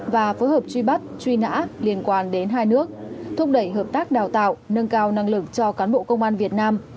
và phối hợp truy bắt truy nã liên quan đến hai nước thúc đẩy hợp tác đào tạo nâng cao năng lực cho cán bộ công an việt nam